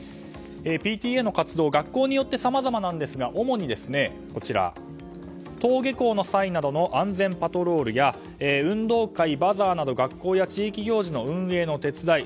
ＰＴＡの活動学校によってさまざまなんですが主に、登下校の際などの安全パトロールや運動会、バザーなど学校や地域行事の運営の手伝い。